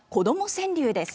川柳です。